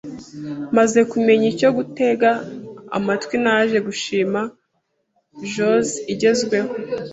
Maze kumenya icyo gutega amatwi, naje gushima jazz igezweho.